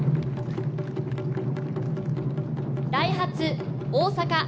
ダイハツ・大阪。